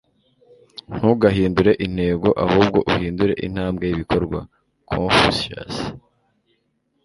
ntugahindure intego, ahubwo uhindure intambwe y'ibikorwa.” - Confucius